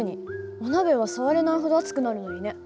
お鍋は触れないほど熱くなるのにね。